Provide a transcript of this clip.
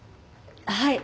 はい。